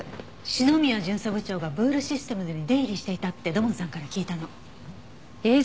篠宮巡査部長がブールシステムズに出入りしていたって土門さんから聞いたの。